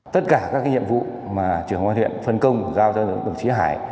tất cả các nhiệm vụ mà trưởng ngoại huyện phân công giao cho đồng chí hải